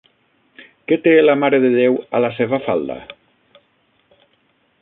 Què té la Mare de Déu a la seva falda?